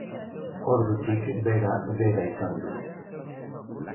Ordutik Bera Bera izan du.